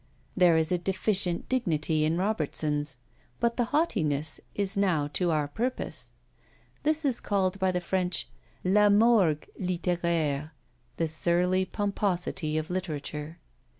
There is a deficient dignity in Robertson's; but the haughtiness is now to our purpose. This is called by the French, "la morgue littéraire," the surly pomposity of literature.